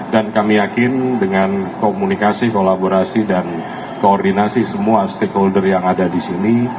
dan kami yakin dengan komunikasi kolaborasi dan koordinasi semua stakeholder yang ada disini